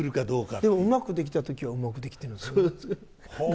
でもうまくできた時はうまくできてるんですよね。